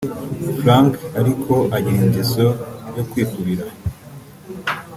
Frank ariko agira ingeso yo kwikubira